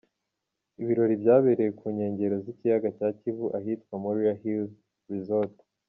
Ibirori byabereye ku nkengero z’ikiyaga cya kivu ahitwa Moriah Hill Resort.